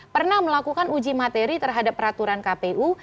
pernah melakukan uji materi terhadap peraturan kpu